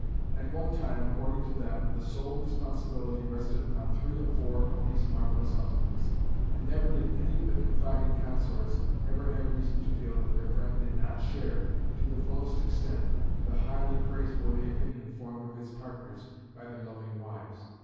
At one time, according to them, the sole responsibility rested upon three of four of these marvellous husbands, and never did any of the confiding consorts ever have reason to feel that their friend did not share to the fullest extent the highly praiseworthy opinion formed of his partners by their loving wives.